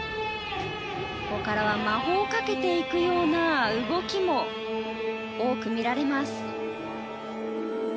ここからは魔法をかけていくような動きも多くみられます。